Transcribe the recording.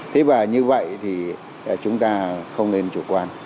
thế và như vậy thì chúng ta không nên chủ quan